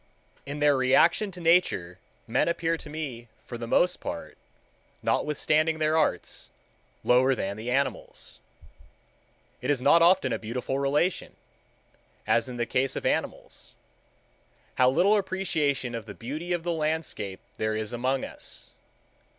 In their relation to Nature men appear to me for the most part, notwithstanding their arts, lower than the animals. It is not often a beautiful relation, as in the case of the animals. How little appreciation of the beauty of the landscape there is among us!